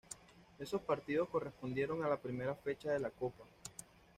Esos partidos correspondieron a la primera fecha de la copa.